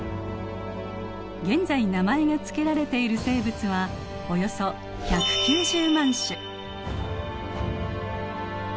現在名前が付けられている生物はおよそ１９０万種。